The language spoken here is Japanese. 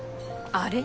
あれ？